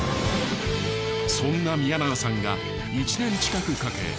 そんな宮永さんが１年近くかけ